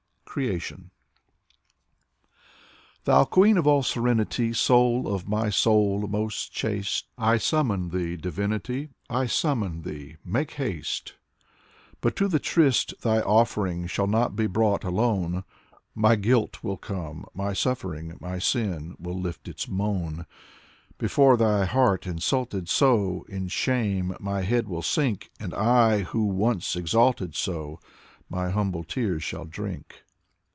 Zinaida Hippius 71 CREATION Thou queen of all serenity, Soul of my soul, most chaste^ I summon thee, divinity, I summon thee, make haste ! But to the tryst thy offering Shall not be brought alone. My guilt will come, my suffering, My sin will lift its moan. Before thy heart insulted so. In shame my head will sink; And I, who once exulted so, My humble tears shall drink.